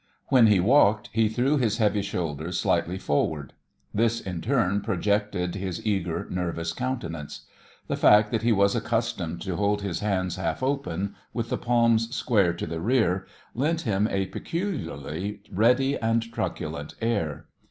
When he walked, he threw his heavy shoulders slightly forward. This, in turn, projected his eager, nervous countenance. The fact that he was accustomed to hold his hands half open, with the palms square to the rear, lent him a peculiarly ready and truculent air.